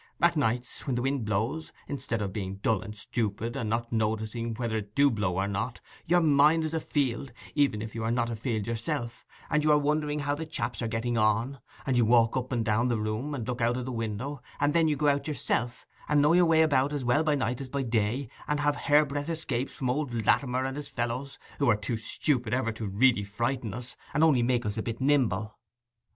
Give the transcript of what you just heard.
At nights, when the wind blows, instead of being dull and stupid, and not noticing whether it do blow or not, your mind is afield, even if you are not afield yourself; and you are wondering how the chaps are getting on; and you walk up and down the room, and look out o' window, and then you go out yourself, and know your way about as well by night as by day, and have hairbreadth escapes from old Latimer and his fellows, who are too stupid ever to really frighten us, and only make us a bit nimble.